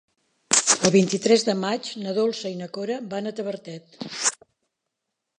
El vint-i-tres de maig na Dolça i na Cora van a Tavertet.